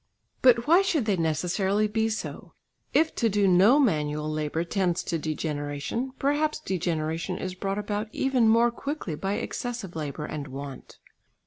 But why should they necessarily be so? If to do no manual labour tends to degeneration, perhaps degeneration is brought about even more quickly by excessive labour and want.